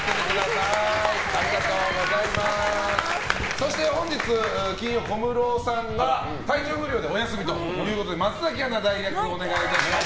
そして、本日、金曜小室さんが体調不良でお休みということで松崎アナに代役をお願いします。